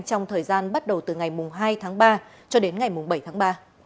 trong thời gian bắt đầu từ ngày hai tháng ba cho đến ngày bảy tháng ba